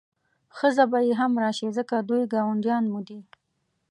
ښځه به یې هم راشي ځکه دوی ګاونډیان مو دي.